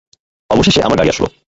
অবশেষে আমার গাড়ি আসলো।